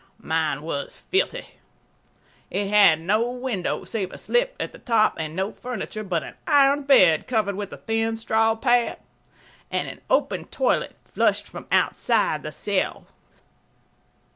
Mine was filthy. It had no window save a slip at the top and no furniture but an iron bed covered with a thin straw pad, and an open toilet flushed from outside the cell